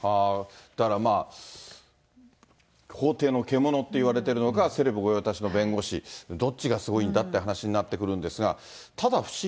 だからまあ、法廷の獣といわれてるのか、セレブ御用達の弁護士、どっちがすごいんだっていう話になってくるんですが。